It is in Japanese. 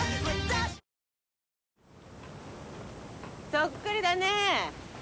そっくりだねぇ。